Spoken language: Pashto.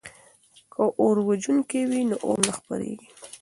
که اوروژونکي وي نو اور نه خپریږي.